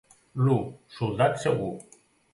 L'u, soldat segur.